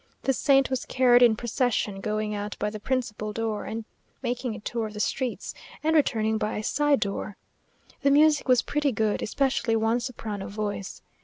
The saint was carried in procession, going out by the principal door, making a tour of the streets, and returning by a side door. The music was pretty good, especially one soprano voice.